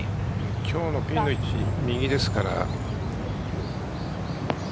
今日のピンの位置右ですから。